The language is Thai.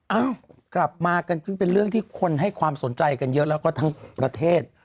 เอ้ากลับมากันซึ่งเป็นเรื่องที่คนให้ความสนใจกันเยอะแล้วก็ทั้งประเทศ